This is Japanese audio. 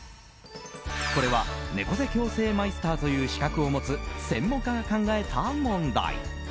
これは猫背矯正マイスターという資格を持つ専門家が考えた問題。